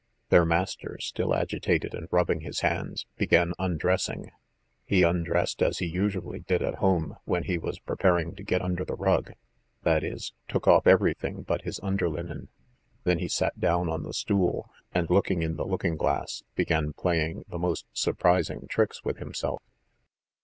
Their master, still agitated and rubbing his hands, began undressing. ... He undressed as he usually did at home when he was preparing to get under the rug, that is, took off everything but his underlinen, then he sat down on the stool, and, looking in the looking glass, began playing the most surprising tricks with himself.